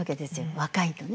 若いとね。